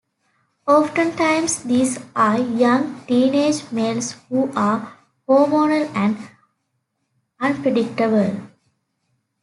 Oftentimes these are young "teenage" males who are hormonal and unpredictable.